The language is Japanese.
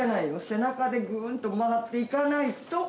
背中でぐーんと回っていかないと。